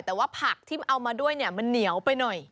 แต่ว่าผักที่เอามาด้วยเนี่ยมันเหนียวไปหน่อย